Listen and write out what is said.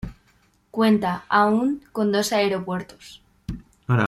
Cuenta, aun, con dos aeropuertos.